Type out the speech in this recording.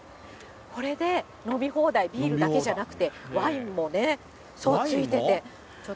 これで飲み放題、ビールだけじゃなくてワインもね、ついてて。